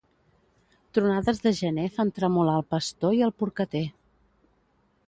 Tronades de gener fan tremolar el pastor i el porcater.